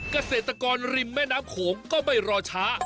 เกษตรกรริมแม่น้ำโขงก็ไม่รอช้า